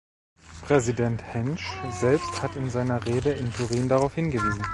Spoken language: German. Präsident Hänsch selbst hat in seiner Rede in Turin darauf hingewiesen.